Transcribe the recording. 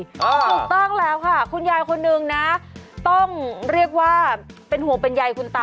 ถูกต้องแล้วค่ะคุณยายคนนึงนะต้องเรียกว่าเป็นห่วงเป็นใยคุณตา